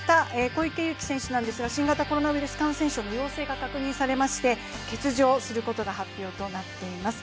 小池祐貴選手なんですが、新型コロナウイルス感染症の陽性が確認されまして欠場することが発表となっています。